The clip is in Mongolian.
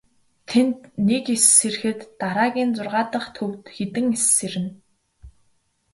Тэнд нэг эс сэрэхэд дараагийн зургаа дахь төвд хэдэн эс сэрнэ.